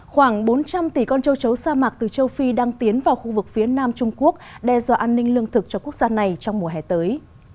khoảng bốn trăm linh tỷ con châu chấu sa mạc từ châu phi đang tiến vào khu vực phía nam trung quốc đe dọa an ninh lương thực cho quốc gia này trong mùa hè tới